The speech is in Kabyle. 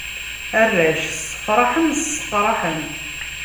Arrac ssefṛaḥen, sseqṛaḥen.